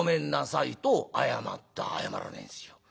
「謝らねえんすよ。